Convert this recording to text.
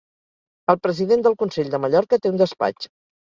El president del Consell de Mallorca té un despatx